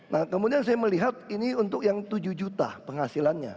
nah kemudian saya melihat ini untuk yang tujuh juta penghasilannya